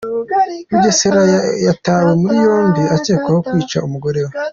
Bugesera Yatawe muri yombi akekwaho kwica umugore we